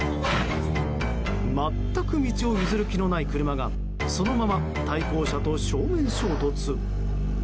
全く道を譲る気のない車がそのまま対向車と正面衝突。